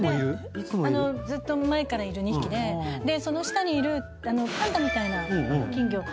ずっと前からいる２匹でその下にいるパンダみたいな金魚。